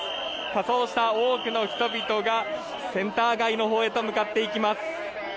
仮装した多くの人々がセンター街のほうへと向かっていきます。